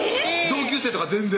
同級生とか全然？